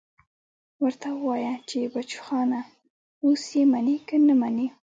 ورته ووايه چې بچوخانه اوس يې منې که نه منې.